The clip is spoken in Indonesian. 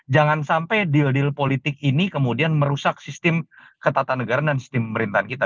jangan sampai deal deal politik ini kemudian merusak sistem ketatanegaraan dan sistem pemerintahan kita